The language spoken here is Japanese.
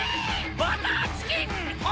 バターチキン炎